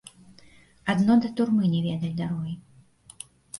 Адно да турмы не ведай дарогі.